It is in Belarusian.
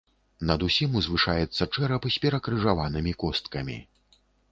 Над усім узвышаецца чэрап з перакрыжаванымі косткамі.